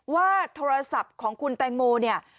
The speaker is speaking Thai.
ว่าโทรศัพท์ของคุณแตงโมเนี่ย